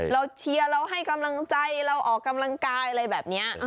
เชียร์เราให้กำลังใจเราออกกำลังกายอะไรแบบนี้